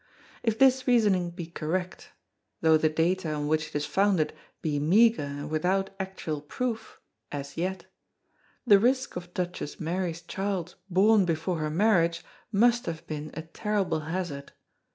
If this reasoning be correct though the data on which it is founded be meagre and without actual proof as yet the risk of Duchess Mary's child born before her marriage must have been a terrible hazard.